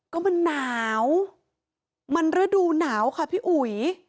ก็มันหนาวมันฤดูหนาวค่ะพี่อุ๋ย